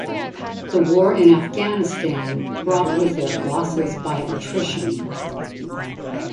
The war in Afghanistan brought with it losses by attrition.